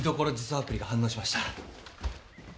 アプリが反応しました。